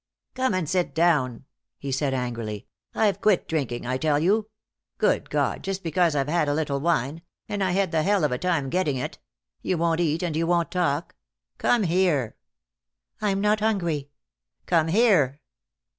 "Come and sit down," he said angrily. "I've quit drinking, I tell you. Good God, just because I've had a little wine and I had the hell of a time getting it you won't eat and won't talk. Come here." "I'm not hungry." "Come here."